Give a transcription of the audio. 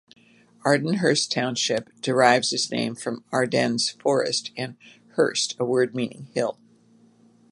Ardenhurst Township derives its name from Ardennes Forest and "-hurst", a word meaning hill.